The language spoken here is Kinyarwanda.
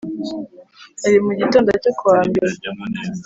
Hari mu gitondo cyo ku wa Mbere